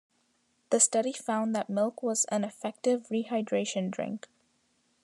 The study found that milk was an effective rehydration drink.